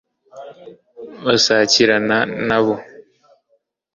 basakirana na bo